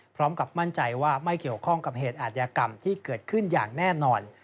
พร้อมกับมั่นใจว่าไม่เกี่ยวข้องกับเหตุอาทยากรรมที่เกิดขึ้นอย่างแน่นอน